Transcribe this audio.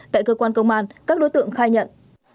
tại cơ quan công an các đối tượng khai nhận